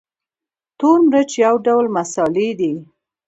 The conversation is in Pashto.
تور مرچ یو ډول مسالې دي